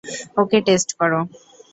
ওকে test কর।